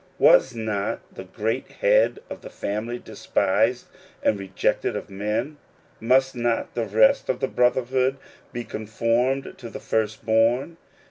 Was not the great Head of the family despised and rejected of men? Must not the rest of the brotherhood be conformed to the First born